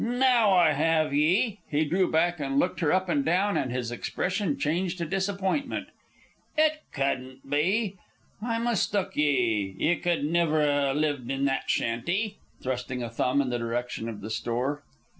"Now I have ye!" He drew back and looked her up and down, and his expression changed to disappointment. "It cuddent be. I mistook ye. Ye cud niver a lived in that shanty," thrusting a thumb in the direction of the store.